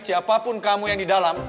siapapun kamu yang di dalam